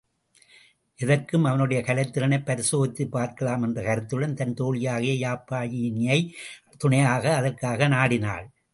எதற்கும் அவனுடைய கலைத்திறனைப் பரிசோதித்துப் பார்க்கலாம் என்ற கருத்துடன் தன் தோழியாகிய யாப்பியாயினியின் துணையை அதற்காக நாடினாள்.